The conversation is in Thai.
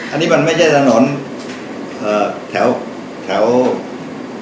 อันนี้มันไม่ใช่ถนนแถวผ่านไป